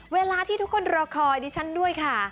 เวลาที่ทุกคนรอคอยดิฉันด้วยค่ะ